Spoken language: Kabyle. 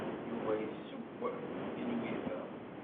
Yuba yesseww i Lwiza.